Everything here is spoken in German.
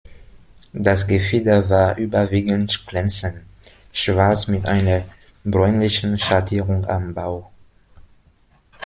Das Gefieder war überwiegend glänzend schwarz mit einer bräunlichen Schattierung am Bauch.